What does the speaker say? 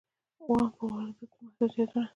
اووم: په وارداتو محدودیتونه.